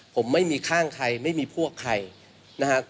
ผมไม่มีข้างใครไม่มีพวกใครนะครับ